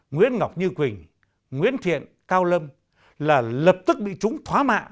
nguyễn ngọc như quỳnh nguyễn thiện cao lâm là lập tức bị chúng thóa mạ